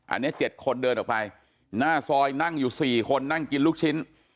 อันนี้๗คนเดินออกไปหน้าซอยนั่งอยู่๔คนนั่งกินลูกชิ้น